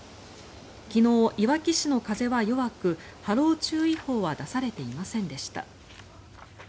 昨日、いわき市の風は弱く波浪注意報は出されていませんでした。